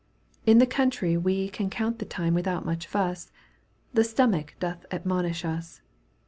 In the country we Can count the time without much fuss — The stomach doth admonish us.